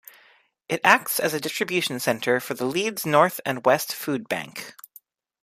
It acts as a distribution centre for the Leeds North and West Foodbank.